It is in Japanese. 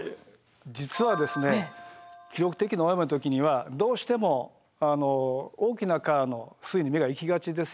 実は記録的な大雨の時にはどうしても大きな川の水位に目が行きがちですよね。